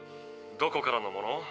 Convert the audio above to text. どこからのもの？